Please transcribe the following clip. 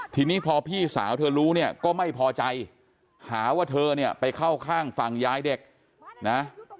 ทีนี้พอพี่สาวเธอรู้เนี่ยก็ไม่พอใจหาว่าเธอเนี่ยไปเข้าข้างฝั่งยายเด็กนะ